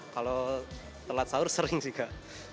kalau telat sahur sering sih kak